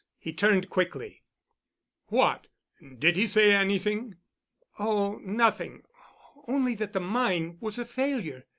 He turned quickly. "What—did he say anything?" "Oh, nothing—only that the mine was a failure.